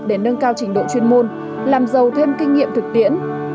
để nâng cao trình độ chuyên môn làm giàu thêm kinh nghiệm thực tiễn